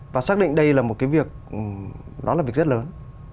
và xác định đây là một cái việc đó là việc rất lớn